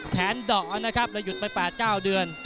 แขนด่อนะครับแล้วหยุดไป๘๙เดือน